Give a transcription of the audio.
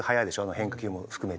変化球も含めて。